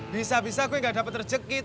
bisa bisa gue gak dapat rejek gitu